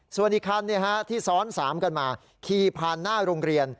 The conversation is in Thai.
ส่วนอีกคันที่ซ้อน๓กันมาขี่ผ่านหน้าโรงเรียน